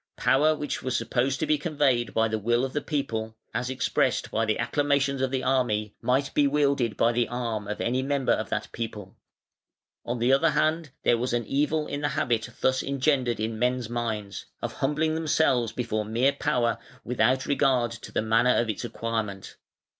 Power which was supposed to be conveyed by the will of the people (as expressed by the acclamations of the army) might be wielded by the arm of any member of that people. On the other hand there was an evil in the habit thus engendered in men's minds, of humbling themselves before mere power without regard to the manner of its acquirement.